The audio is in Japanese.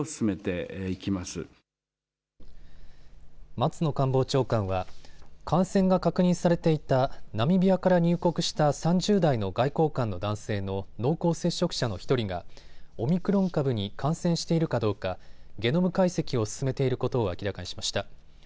松野官房長官は感染が確認されていたナミビアから入国した３０代の外交官の男性の濃厚接触者の１人がオミクロン株に感染しているかどうかゲノム解析を進めていることを明らかにしました。